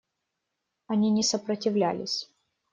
Они не сопротивлялись.